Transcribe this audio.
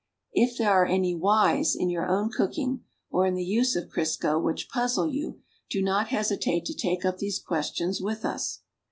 If there are any "Whys" in your own cooking or in the use of Oisco ■^\hicli puzzle you do not hesitate to take up these questions with us.